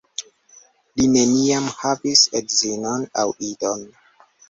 Li neniam havis edzinon aŭ idon.